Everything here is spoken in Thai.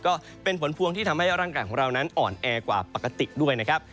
ก็เป็นผลพวงที่ทำให้ร่างกายของเรานั้นอ่อนแอกว่าปกติด้วยนะครับ